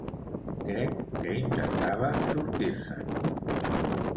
Crec que intentava sortir-se'n.